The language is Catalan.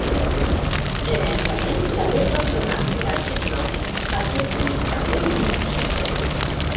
Genèricament també pot donar-se aquest nom a tota missa de difunts.